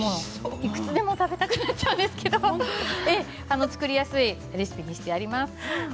いくつでも食べたくなっちゃうんですけれども作りやすいレシピにしてあります。